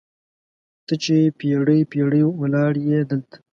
ته چې پیړۍ، پیړۍ ولاړیې دلته